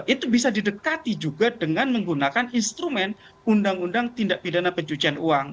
itu bisa didekati juga dengan menggunakan instrumen undang undang tindak pidana pencucian uang